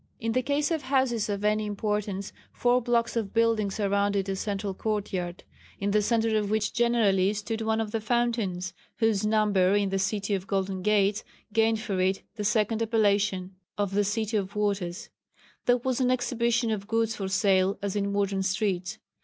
In the case of houses of any importance four blocks of building surrounded a central courtyard, in the centre of which generally stood one of the fountains whose number in the "City of the Golden Gates" gained for it the second appellation of the "City of Waters." There was no exhibition of goods for sale as in modern streets.